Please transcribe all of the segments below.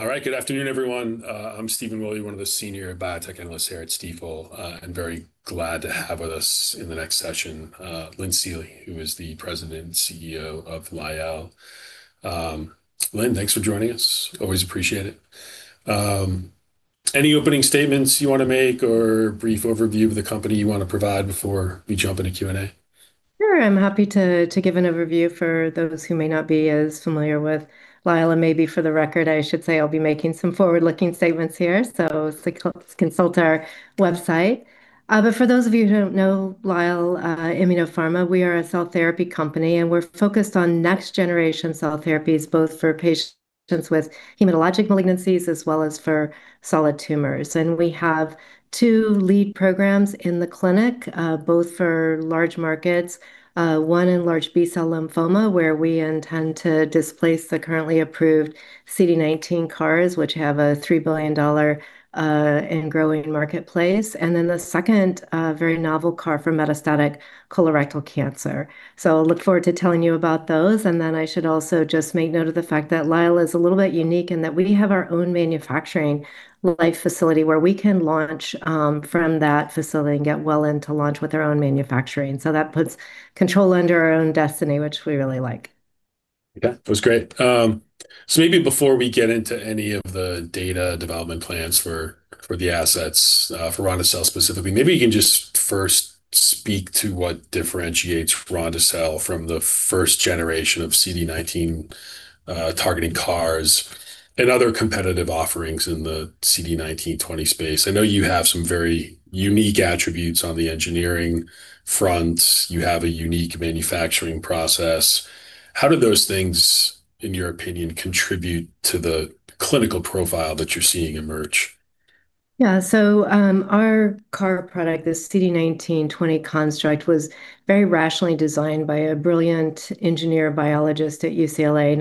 All right. Good afternoon, everyone. I'm Stephen Willey, one of the senior biotech analysts here at Stifel, and very glad to have with us in the next session, Lynn Seely, who is the President and CEO of Lyell. Lynn, thanks for joining us. Always appreciate it. Any opening statements you want to make or brief overview of the company you want to provide before we jump into Q&A? Sure. I'm happy to give an overview for those who may not be as familiar with Lyell. Maybe for the record, I should say I'll be making some forward-looking statements here, so consult our website. For those of you who don't know Lyell Immunopharma, we are a cell therapy company, and we're focused on next-generation cell therapies, both for patients with hematologic malignancies as well as for solid tumors. We have two lead programs in the clinic, both for large markets. One in large B-cell lymphoma, where we intend to displace the currently approved CD19 CARs, which have a $3 billion and growing marketplace. Then the second, a very novel CAR for metastatic colorectal cancer. Look forward to telling you about those. I should also just make note of the fact that Lyell is a little bit unique in that we have our own manufacturing life facility where we can launch from that facility and get well into launch with our own manufacturing. That puts control into our own destiny, which we really like. Yeah, that was great. Maybe before we get into any of the data development plans for the assets for ronde-cel specifically, maybe you can just first speak to what differentiates ronde-cel from the first generation of CD19 targeting CARs and other competitive offerings in the CD1920 space. I know you have some very unique attributes on the engineering front. You have a unique manufacturing process. How do those things, in your opinion, contribute to the clinical profile that you're seeing emerge? Our CAR product, this CD1920 construct, was very rationally designed by a brilliant engineer biologist at UCLA,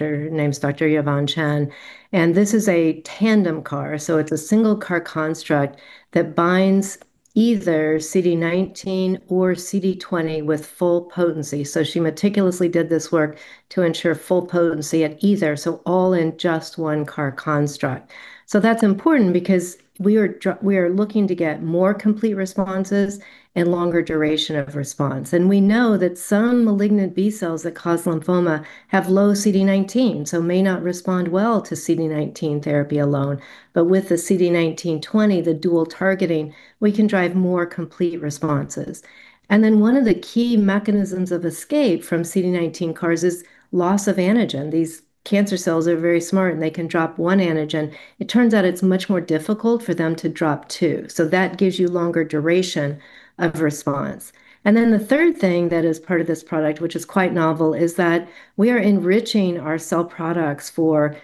her name's Dr. Yvonne Chen. This is a tandem CAR, it's a single CAR construct that binds either CD19 or CD20 with full potency. She meticulously did this work to ensure full potency at either, all in just one CAR construct. That's important because we are looking to get more complete responses and longer duration of response. We know that some malignant B cells that cause lymphoma have low CD19, may not respond well to CD19 therapy alone. With the CD1920, the dual targeting, we can drive more complete responses. One of the key mechanisms of escape from CD19 CARs is loss of antigen. These cancer cells are very smart, they can drop one antigen. It turns out it's much more difficult for them to drop two. That gives you longer duration of response. The third thing that is part of this product, which is quite novel, is that we are enriching our cell products for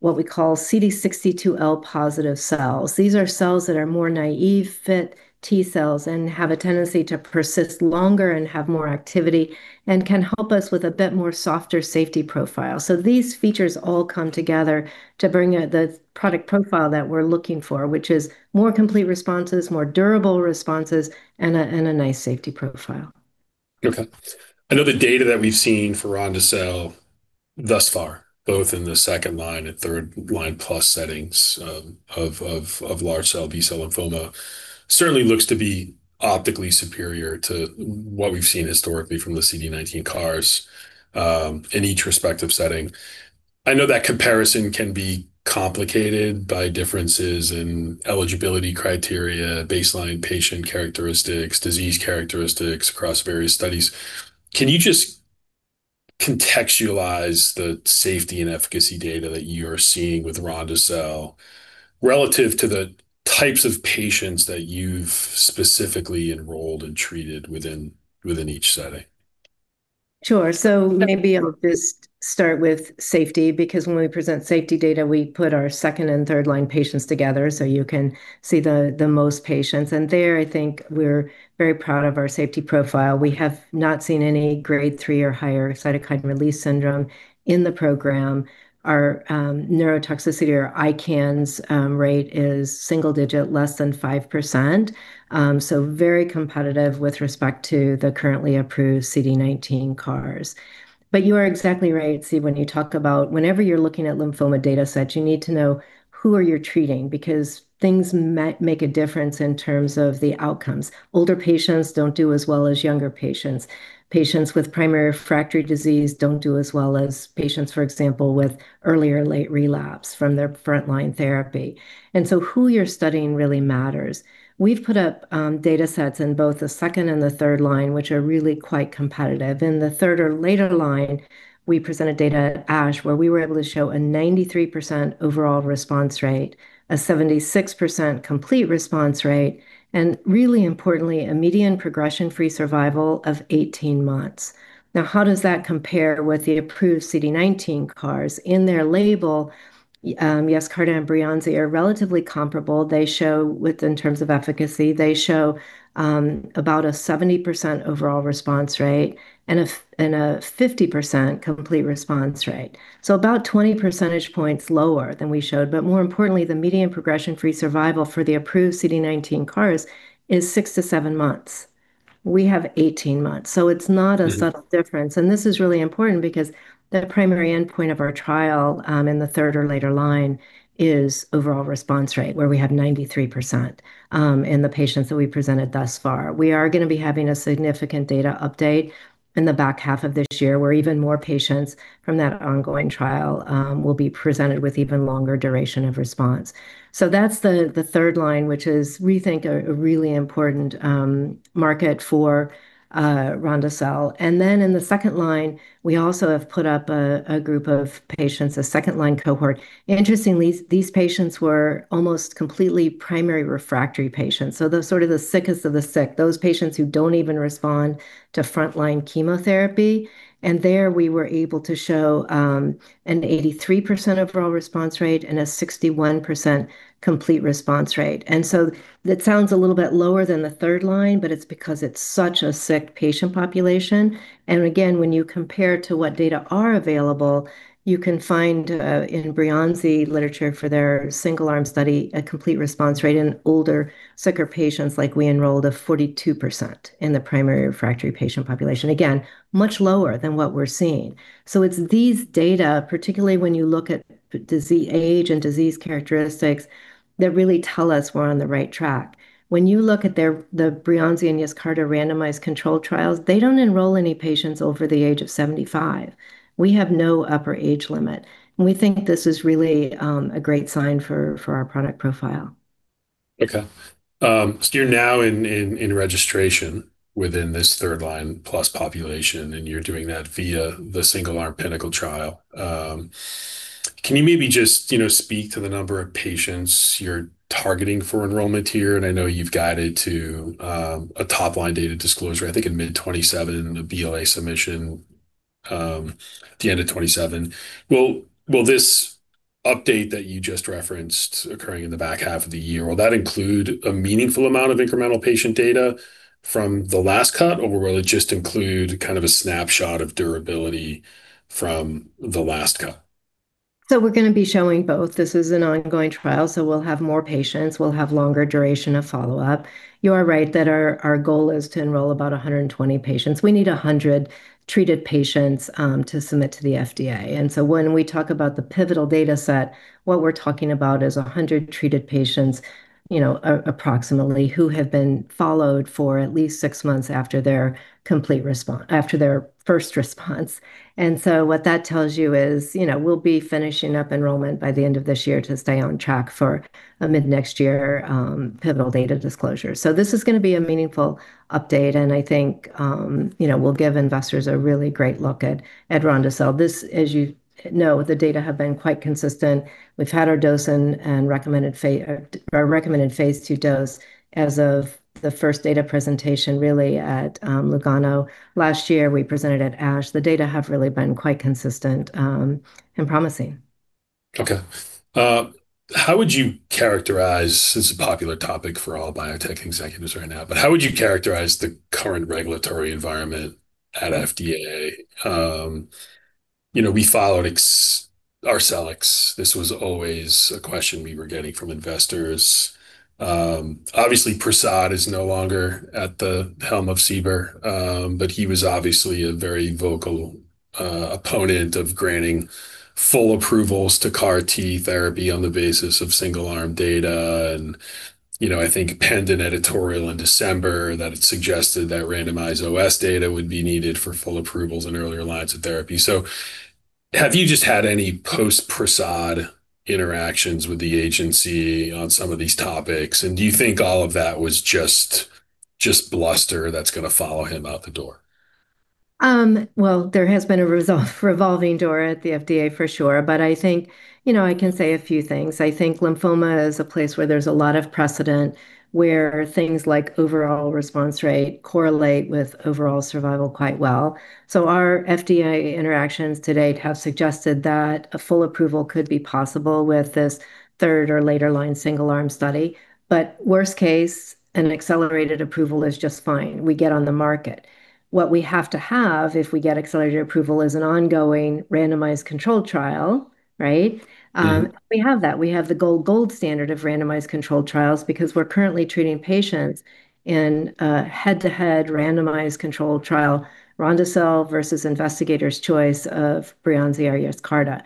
what we call CD62L positive cells. These are cells that are more naive fit T cells and have a tendency to persist longer and have more activity and can help us with a bit more softer safety profile. These features all come together to bring the product profile that we're looking for, which is more complete responses, more durable responses, and a nice safety profile. Okay. I know the data that we've seen for ronde-cel thus far, both in the second line and third-line plus settings of large cell B-cell lymphoma, certainly looks to be optically superior to what we've seen historically from the CD19 CARs in each respective setting. I know that comparison can be complicated by differences in eligibility criteria, baseline patient characteristics, disease characteristics across various studies. Can you just contextualize the safety and efficacy data that you are seeing with ronde-cel relative to the types of patients that you've specifically enrolled and treated within each setting? Sure. Maybe I'll just start with safety, because when we present safety data, we put our second and third-line patients together, so you can see the most patients. There, I think we're very proud of our safety profile. We have not seen any Grade 3 or higher cytokine release syndrome in the program. Our neurotoxicity or ICANS rate is single digit, less than 5%, so very competitive with respect to the currently approved CD19 CARs. You are exactly right. See, when you talk about whenever you're looking at lymphoma data set, you need to know who are you treating, because things make a difference in terms of the outcomes. Older patients don't do as well as younger patients. Patients with primary refractory disease don't do as well as patients, for example, with early or late relapse from their frontline therapy. Who you're studying really matters. We've put up data sets in both the second and the third line, which are really quite competitive. In the third or later line, we presented data at ASH where we were able to show a 93% overall response rate, a 76% complete response rate, and really importantly, a median progression-free survival of 18 months. How does that compare with the approved CD19 CARs? In their label, Yescarta and Breyanzi are relatively comparable. In terms of efficacy, they show about a 70% overall response rate and a 50% complete response rate. About 20 percentage points lower than we showed. More importantly, the median progression-free survival for the approved CD19 CARs is six to seven months. We have 18 months, it's not a subtle difference. This is really important because the primary endpoint of our trial in the third or later line is overall response rate, where we have 93% in the patients that we presented thus far. We are going to be having a significant data update in the back half of this year, where even more patients from that ongoing trial will be presented with even longer duration of response. That's the third line, which is, we think, a really important market for ronde-cel. In the second line, we also have put up a group of patients, a second-line cohort. Interestingly, these patients were almost completely primary refractory patients, so the sickest of the sick, those patients who don't even respond to frontline chemotherapy. There we were able to show an 83% overall response rate and a 61% complete response rate. That sounds a little bit lower than the third line, but it's because it's such a sick patient population. Again, when you compare to what data are available, you can find in Breyanzi literature for their single-arm study, a complete response rate in older, sicker patients like we enrolled of 42% in the primary refractory patient population. Again, much lower than what we're seeing. It's these data, particularly when you look at disease age and disease characteristics, that really tell us we're on the right track. When you look at the Breyanzi and Yescarta randomized controlled trials, they don't enroll any patients over the age of 75. We have no upper age limit, and we think this is really a great sign for our product profile. You're now in registration within this third line plus population, and you're doing that via the single-arm PiNACLE trial. Can you maybe just speak to the number of patients you're targeting for enrollment here? I know you've guided to a top-line data disclosure, I think in mid 2027, a BLA submission at the end of 2027. Will this update that you just referenced occurring in the back half of the year, will that include a meaningful amount of incremental patient data from the last cut, or will it just include a snapshot of durability from the last cut? We're going to be showing both. This is an ongoing trial, so we'll have more patients, we'll have longer duration of follow-up. You are right that our goal is to enroll about 120 patients. We need 100 treated patients to submit to the FDA. When we talk about the pivotal data set, what we're talking about is 100 treated patients approximately, who have been followed for at least six months after their first response. What that tells you is we'll be finishing up enrollment by the end of this year to stay on track for a mid-next year pivotal data disclosure. This is going to be a meaningful update, and I think we'll give investors a really great look at ronde-cel. As you know, the data have been quite consistent. We've had our recommended phase II dose as of the first data presentation, really, at Lugano. Last year, we presented at ASH. The data have really been quite consistent and promising. Okay. How would you characterize the current regulatory environment at FDA? We followed Arcellx. This was always a question we were getting from investors. Prasad is no longer at the helm of CBER. He was obviously a very vocal opponent of granting full approvals to CAR T therapy on the basis of single-arm data. I think penned an editorial in December that suggested that randomized OS data would be needed for full approvals in earlier lines of therapy. Have you just had any post-Prasad interactions with the agency on some of these topics? Do you think all of that was just bluster that's going to follow him out the door? Well, there has been a revolving door at the FDA for sure, I think I can say a few things. I think lymphoma is a place where there's a lot of precedent, where things like overall response rate correlate with overall survival quite well. Our FDA interactions to date have suggested that a full approval could be possible with this third or later line single-arm study. Worst case, an accelerated approval is just fine. We get on the market. What we have to have if we get accelerated approval is an ongoing randomized controlled trial, right? We have that. We have the gold standard of randomized controlled trials because we're currently treating patients in a head-to-head randomized controlled trial, ronde-cel versus investigator's choice of Breyanzi or Yescarta.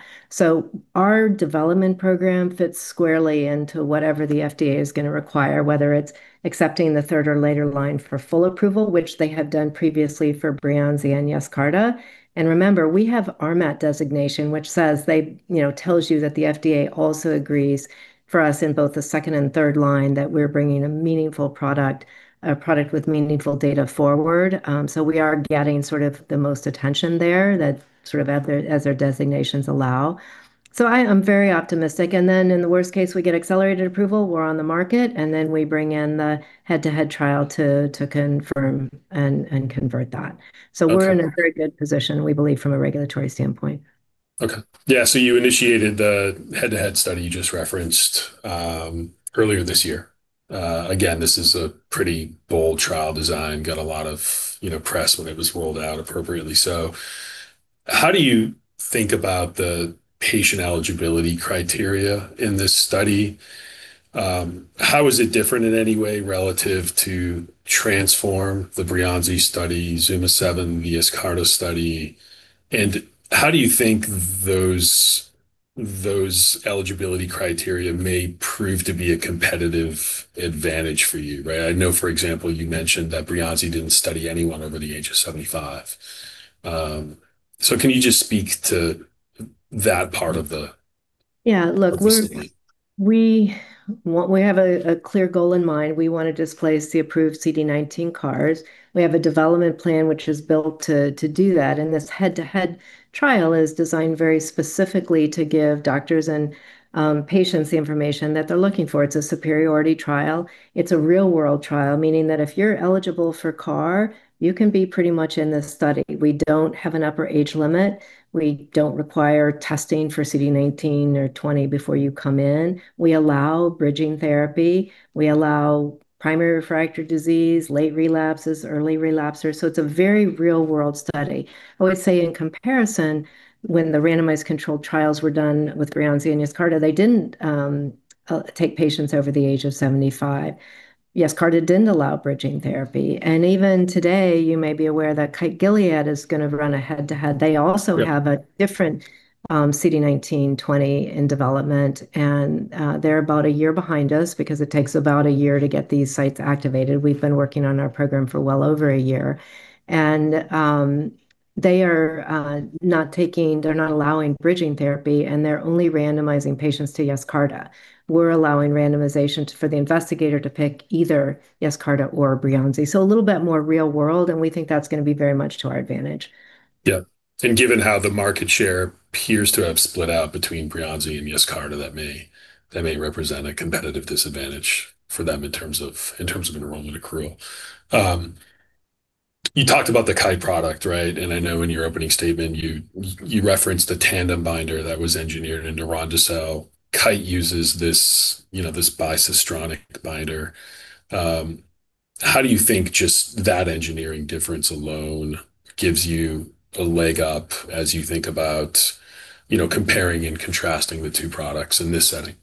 Our development program fits squarely into whatever the FDA is going to require, whether it's accepting the third or later line for full approval, which they have done previously for Breyanzi and Yescarta. Remember, we have RMAT designation, which tells you that the FDA also agrees for us in both the second and third line that we're bringing a meaningful product, a product with meaningful data forward. We are getting the most attention there as their designations allow. I am very optimistic. In the worst case, we get accelerated approval, we're on the market, and then we bring in the head-to-head trial to confirm and convert that. Excellent. We're in a very good position, we believe, from a regulatory standpoint. Yeah, you initiated the head-to-head study you just referenced earlier this year. This is a pretty bold trial design, got a lot of press when it was rolled out, appropriately so. How do you think about the patient eligibility criteria in this study? How is it different in any way relative to TRANSFORM, the Breyanzi study, ZUMA-7, the Yescarta study, and how do you think those eligibility criteria may prove to be a competitive advantage for you, right? I know, for example, you mentioned that Breyanzi didn't study anyone over the age of 75. Can you just speak to that part of the study? Yeah. Look, we have a clear goal in mind. We want to displace the approved CD19 CARs. We have a development plan which is built to do that, and this head-to-head trial is designed very specifically to give doctors and patients the information that they're looking for. It's a superiority trial. It's a real-world trial, meaning that if you're eligible for CAR, you can be pretty much in this study. We don't have an upper age limit. We don't require testing for CD19 or 20 before you come in. We allow bridging therapy. We allow primary refractory disease, late relapses, early relapsers. It's a very real-world study. I would say in comparison, when the randomized controlled trials were done with Breyanzi and Yescarta, they didn't take patients over the age of 75. Yescarta didn't allow bridging therapy. Even today, you may be aware that Kite Gilead is going to run a head-to-head. Yeah have a different CD19/20 in development, and they're about a year behind us because it takes about a year to get these sites activated. We've been working on our program for well over a year. They're not allowing bridging therapy, and they're only randomizing patients to Yescarta. We're allowing randomization for the investigator to pick either Yescarta or Breyanzi. A little bit more real world, and we think that's going to be very much to our advantage. Yeah. Given how the market share appears to have split out between Breyanzi and Yescarta, that may represent a competitive disadvantage for them in terms of enrollment accrual. You talked about the Kite product, right? I know in your opening statement you referenced a tandem binder that was engineered into ronde-cel. Kite uses this bicistronic binder. How do you think just that engineering difference alone gives you a leg up as you think about comparing and contrasting the two products in this setting?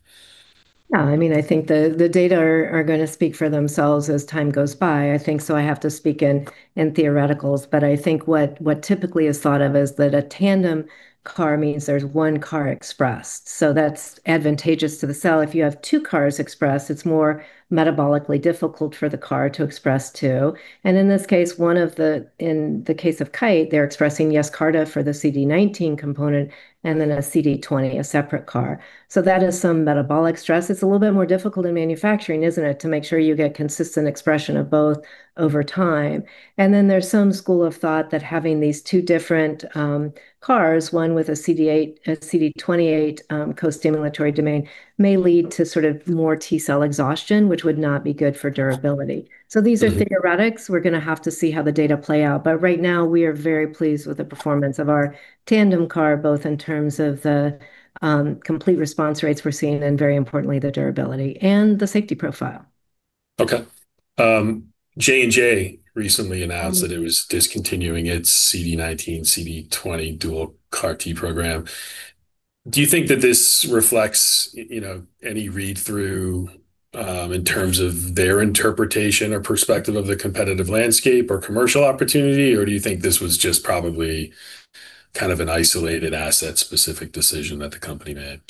Yeah, I think the data are going to speak for themselves as time goes by. I have to speak in theoreticals. I think what typically is thought of is that a tandem CAR means there's one CAR expressed, so that's advantageous to the cell. If you have two CARs expressed, it's more metabolically difficult for the CAR to express two. In this case, in the case of Kite, they're expressing Yescarta for the CD19 component and then a CD20, a separate CAR. That is some metabolic stress. It's a little bit more difficult in manufacturing, isn't it, to make sure you get consistent expression of both over time? There's some school of thought that having these two different CARs, one with a CD28 costimulatory domain, may lead to more T-cell exhaustion, which would not be good for durability. These are theoretics. We're going to have to see how the data play out. Right now, we are very pleased with the performance of our tandem CAR, both in terms of the complete response rates we're seeing and, very importantly, the durability and the safety profile. Okay. J&J recently announced- that it was discontinuing its CD19, CD20 dual CAR T program. Do you think that this reflects any read-through in terms of their interpretation or perspective of the competitive landscape or commercial opportunity, or do you think this was just probably an isolated asset-specific decision that the company made?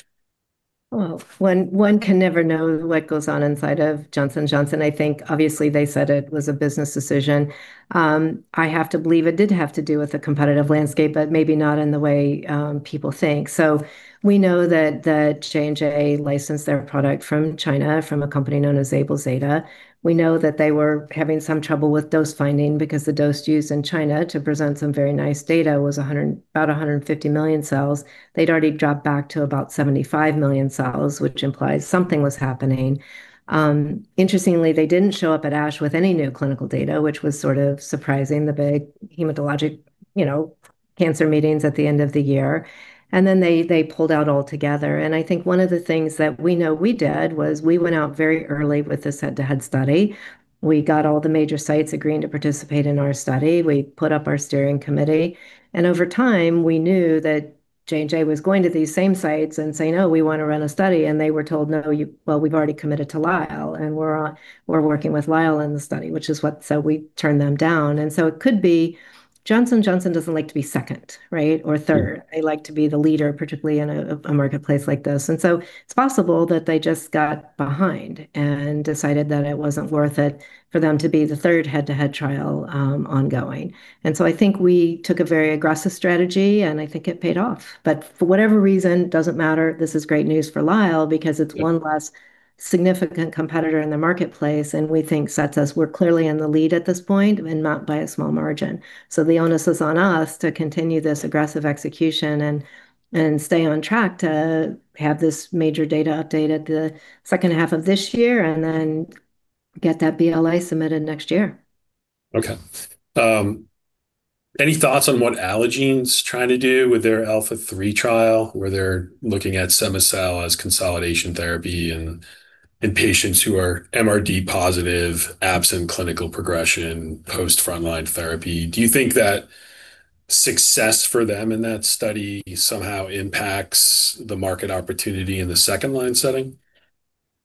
Well, one can never know what goes on inside of Johnson & Johnson. I think obviously they said it was a business decision. I have to believe it did have to do with the competitive landscape, but maybe not in the way people think. We know that J&J licensed their product from China from a company known as AbelZeta. We know that they were having some trouble with dose finding because the dose used in China to present some very nice data was about 150 million cells. They'd already dropped back to about 75 million cells, which implies something was happening. Interestingly, they didn't show up at ASH with any new clinical data, which was sort of surprising, the big hematologic cancer meetings at the end of the year. They pulled out altogether. I think one of the things that we know we did was we went out very early with this head-to-head study. We got all the major sites agreeing to participate in our study. We put up our steering committee. Over time, we knew that J&J was going to these same sites and saying, "Oh, we want to run a study." They were told, "No. Well, we've already committed to Lyell, and we're working with Lyell in the study." We turned them down. It could be Johnson & Johnson doesn't like to be second, right? Or third. They like to be the leader, particularly in a marketplace like this. It's possible that they just got behind and decided that it wasn't worth it for them to be the third head-to-head trial ongoing. I think we took a very aggressive strategy, and I think it paid off. For whatever reason, doesn't matter, this is great news for Lyell because it's one less significant competitor in the marketplace, and we think we're clearly in the lead at this point, and not by a small margin. The onus is on us to continue this aggressive execution and stay on track to have this major data update at the second half of this year and then get that BLA submitted next year. Okay. Any thoughts on what Allogene's trying to do with their ALPHA3 trial, where they're looking at cema-cel as consolidation therapy and in patients who are MRD positive, absent clinical progression, post frontline therapy, do you think that success for them in that study somehow impacts the market opportunity in the second line setting?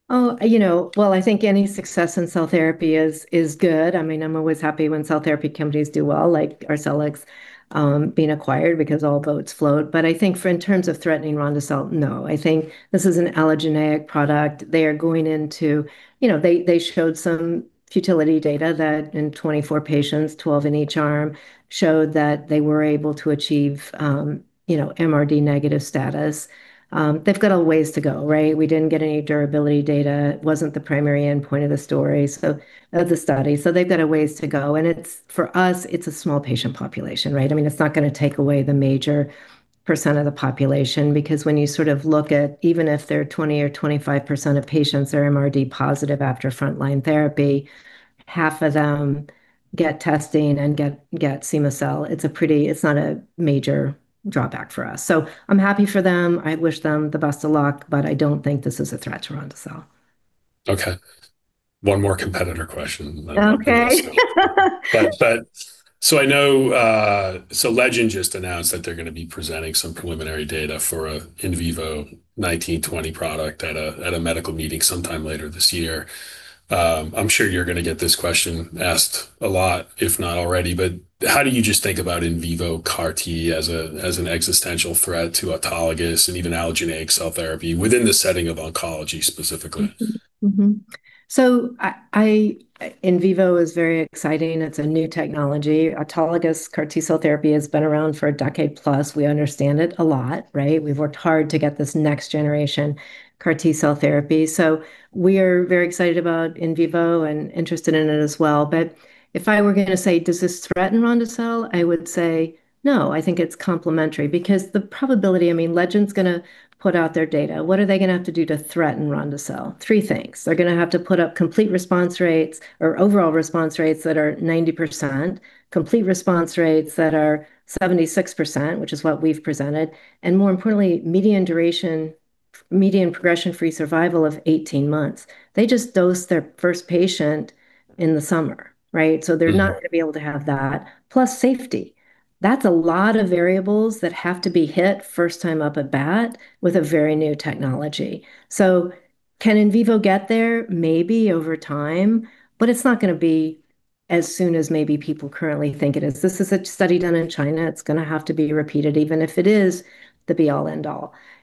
Well, I think any success in cell therapy is good. I'm always happy when cell therapy companies do well, like Arcellx being acquired because all boats float. I think in terms of threatening ronde-cel, no. I think this is an allogeneic product. They showed some futility data that in 24 patients, 12 in each arm, showed that they were able to achieve MRD negative status. They've got a ways to go. We didn't get any durability data. It wasn't the primary endpoint of the study, they've got a ways to go, for us, it's a small patient population. It's not going to take away the major percent of the population because when you look at, even if they're 20% or 25% of patients are MRD positive after frontline therapy, half of them get testing and get cema-cel. It's not a major drawback for us. I'm happy for them. I wish them the best of luck, but I don't think this is a threat to ronde-cel. Okay. One more competitor question then. Okay. I'll stop. Legend just announced that they're going to be presenting some preliminary data for a in vivo 19/20 product at a medical meeting sometime later this year. I'm sure you're going to get this question asked a lot, if not already, how do you just think about in vivo CAR T as an existential threat to autologous and even allogeneic cell therapy within the setting of oncology specifically? In vivo is very exciting. It's a new technology. Autologous CAR T-cell therapy has been around for a decade plus. We understand it a lot. We've worked hard to get this next generation CAR T-cell therapy. We are very excited about in vivo and interested in it as well. If I were going to say, does this threaten ronde-cel, I would say no, I think it's complementary because Legend's going to put out their data. What are they going to have to do to threaten ronde-cel? Three things. They're going to have to put up complete response rates or overall response rates that are 90%, complete response rates that are 76%, which is what we've presented, and more importantly, median progression-free survival of 18 months. They just dosed their first patient in the summer. They're not going to be able to have that, plus safety. That's a lot of variables that have to be hit first time up at bat with a very new technology. Can in vivo get there? Maybe over time, but it's not going to be as soon as maybe people currently think it is. This is a study done in China. It's going to have to be repeated, even if it is the be-all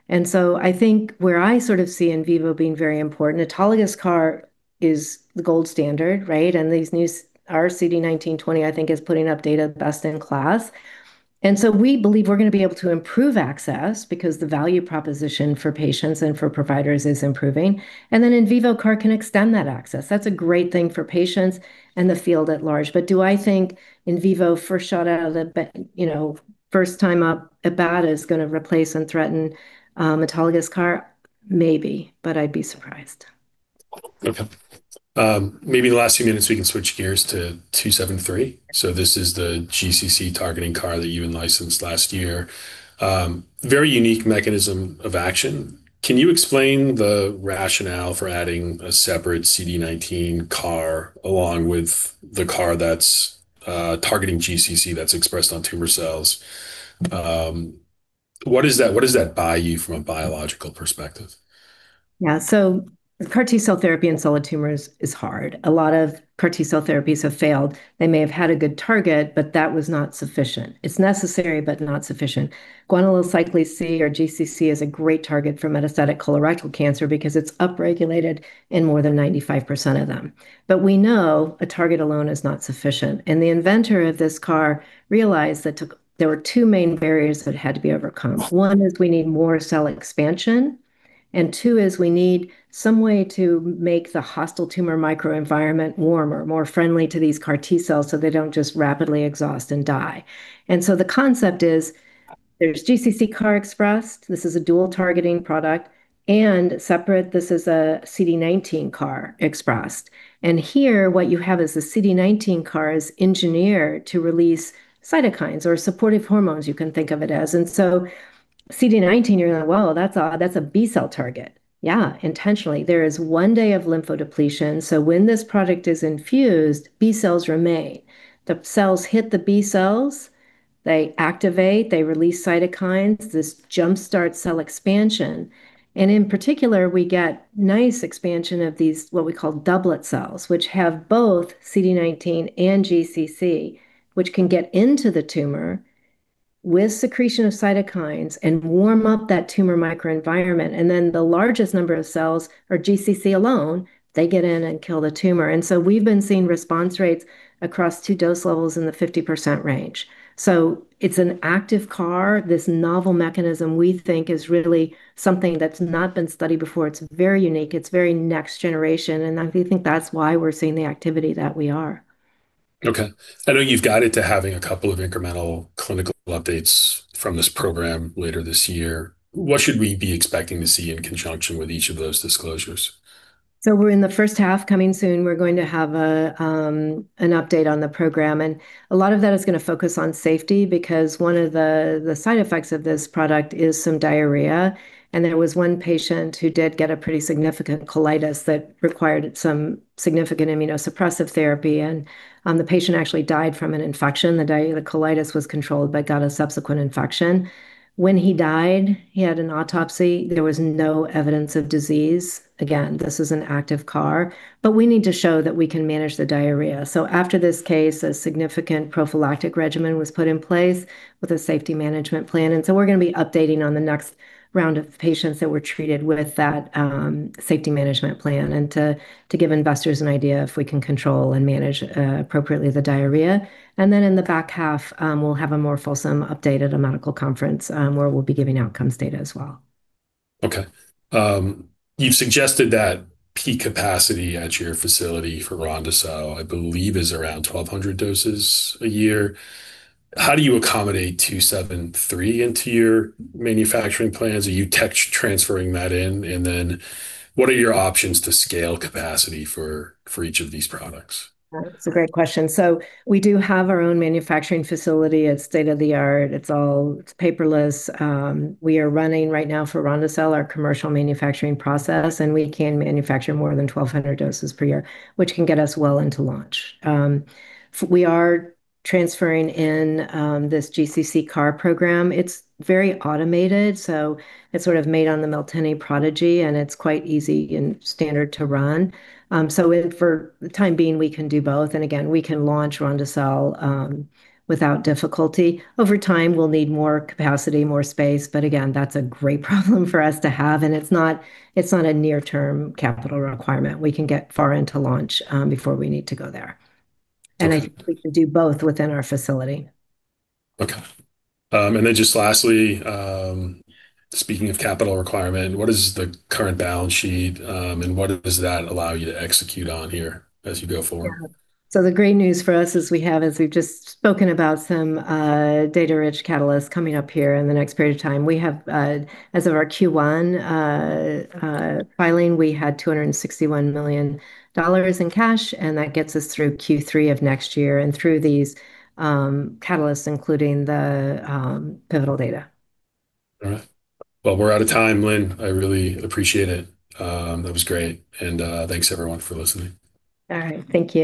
end-all. I think where I sort of see in vivo being very important, autologous CAR is the gold standard, and our CD19/CD20, I think is putting up data best in class. We believe we're going to be able to improve access because the value proposition for patients and for providers is improving. In vivo CAR can extend that access. That's a great thing for patients and the field at large. Do I think in vivo first time up at bat is going to replace and threaten autologous CAR? Maybe, but I'd be surprised. Okay. Maybe the last few minutes we can switch gears to LYL273. This is the GC-C targeting CAR that you licensed last year. Very unique mechanism of action. Can you explain the rationale for adding a separate CD19 CAR along with the CAR that's targeting GC-C that's expressed on tumor cells? What does that buy you from a biological perspective? CAR T-cell therapy in solid tumors is hard. A lot of CAR T-cell therapies have failed. They may have had a good target, but that was not sufficient. It's necessary, but not sufficient. Guanylyl cyclase-C or GC-C is a great target for metastatic colorectal cancer because it's upregulated in more than 95% of them. We know a target alone is not sufficient, and the inventor of this CAR realized that there were two main barriers that had to be overcome. One is we need more cell expansion, and two is we need some way to make the hostile tumor microenvironment warmer, more friendly to these CAR T-cells so they don't just rapidly exhaust and die. The concept is there's GC-C CAR expressed, this is a dual targeting product, and separate, this is a CD19 CAR expressed. Here what you have is a CD19 CAR is engineered to release cytokines or supportive hormones, you can think of it as. CD19, you're like, "Whoa, that's a B-cell target." Yeah, intentionally. There is 1 day of lymphodepletion, so when this product is infused, B-cells remain. The cells hit the B-cells, they activate, they release cytokines. This jumpstarts cell expansion, and in particular, we get nice expansion of these, what we call doublet cells, which have both CD19 and GC-C, which can get into the tumor with secretion of cytokines and warm up that tumor microenvironment. Then the largest number of cells are GC-C alone. They get in and kill the tumor. We've been seeing response rates across two dose levels in the 50% range. It's an active CAR. This novel mechanism, we think, is really something that's not been studied before. It's very unique. It's very next generation. I think that's why we're seeing the activity that we are. Okay. I know you've guided to having a couple of incremental clinical updates from this program later this year. What should we be expecting to see in conjunction with each of those disclosures? We're in the first half coming soon, we're going to have an update on the program. A lot of that is going to focus on safety because one of the side effects of this product is some diarrhea, and there was one patient who did get a pretty significant colitis that required some significant immunosuppressive therapy. The patient actually died from an infection. The colitis was controlled but got a subsequent infection. When he died, he had an autopsy. There was no evidence of disease. Again, this is an active CAR, but we need to show that we can manage the diarrhea. After this case, a significant prophylactic regimen was put in place with a safety management plan. We're going to be updating on the next round of patients that were treated with that safety management plan, and to give investors an idea if we can control and manage appropriately the diarrhea. In the back half, we'll have a more fulsome update at a medical conference, where we'll be giving outcomes data as well. Okay. You've suggested that peak capacity at your facility for ronde-cel, I believe, is around 1,200 doses a year. How do you accommodate 273 into your manufacturing plans? Are you tech transferring that in? What are your options to scale capacity for each of these products? That's a great question. We do have our own manufacturing facility. It's state of the art. It's all paperless. We are running right now for ronde-cel, our commercial manufacturing process, and we can manufacture more than 1,200 doses per year, which can get us well into launch. We are transferring in this GC-C CAR program. It's very automated, so it's sort of made on the CliniMACS Prodigy, and it's quite easy and standard to run. For the time being, we can do both, and again, we can launch ronde-cel without difficulty. Over time, we'll need more capacity, more space, but again, that's a great problem for us to have, and it's not a near-term capital requirement. We can get far into launch before we need to go there. Okay. I think we can do both within our facility. Okay. Just lastly, speaking of capital requirement, what is the current balance sheet, and what does that allow you to execute on here as you go forward? The great news for us is we have, as we've just spoken about, some data-rich catalysts coming up here in the next period of time. We have, as of our Q1 filing, we had $261 million in cash, and that gets us through Q3 of next year and through these catalysts, including the pivotal data. All right. Well, we're out of time, Lynn. I really appreciate it. That was great. Thanks everyone for listening. All right. Thank you.